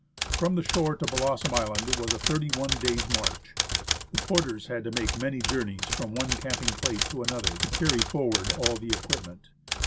From the shore to " Blossom Island " was a thirty one days' march. The porters had to make many journeys from one camping place to another to carry forward all the equipment.